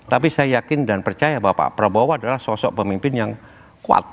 tapi saya yakin dan percaya bahwa pak prabowo adalah sosok pemimpin yang kuat